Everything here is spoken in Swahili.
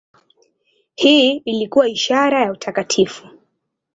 Hii ilikuwa ishara ya utakatifu.